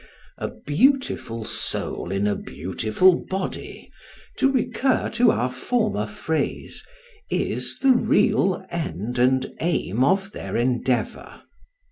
"A beautiful soul in a beautiful body," to recur to our former phrase, is the real end and aim of their endeavour.